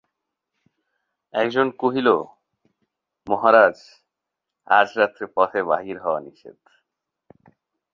একজন কহিল, মহারাজ, আজ রাত্রে পথে বাহির হওয়া নিষেধ।